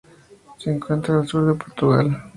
Se encuentra al sur de Portugal.